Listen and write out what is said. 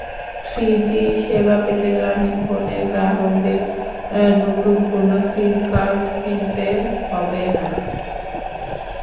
Three G সেবা পেতে গ্রামীণফোনের গ্রাহকদের নতুন কোনো সিমকার্ড কিনতে হবে না।